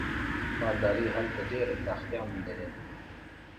مالدارۍ هلته ډېره پراختیا موندلې ده.